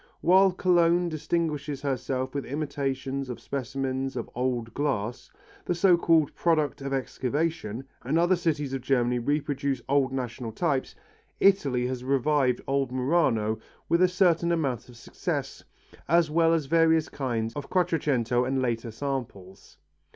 While Cologne distinguishes herself with imitations of specimens of old glass, the so called product of excavation, and other cities of Germany reproduce old national types, Italy has revived old Murano with a certain amount of success, as well as various kinds of Quattrocento and later samples.